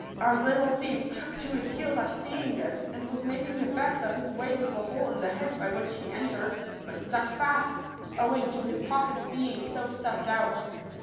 Our little thief took to his heels at seeing this, and was making the best of his way through the hole in the hedge by which he entered, but stuck fast, owing to his pockets being so stuffed out.